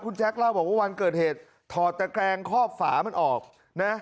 คุณแจ๊คเล่าบอกว่าวันเกิดเหตุถอดตะแกรงคอบฝามันออกนะ